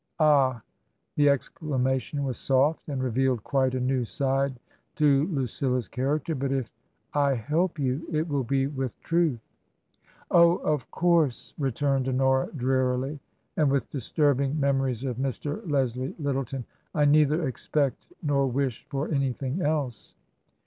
" Ah !" The exclamation was soft, and revealed quite a new side to Lucilla's character. " But if I help you it will be with truth." " Oh, of course," returned Honora drearily, and with disturbing memories of Mr. Leslie Lyttleton ;" I neither expect nor wish for anything else."